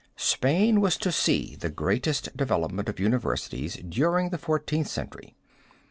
Spain was to see the greatest development of universities during the Fourteenth Century.